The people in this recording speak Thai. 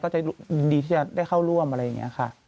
จะยินดีที่จะได้เข้าร่วมอะไรอย่างนี้ค่ะ